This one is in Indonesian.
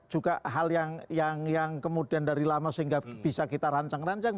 juga hal yang kemudian dari lama sehingga bisa kita rancang rancang